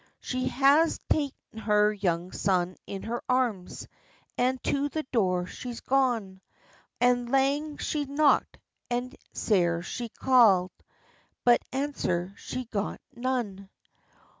She has ta'en her young son in her arms, And to the door she's gone, And lang she's knocked and sair she ca'd, But answer got she none.